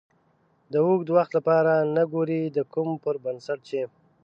د اوږد وخت لپاره نه ګورئ د کومو پر بنسټ چې